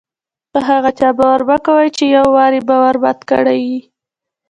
په هغه چا باور مه کوئ! چي یو وار ئې باور مات کړى يي.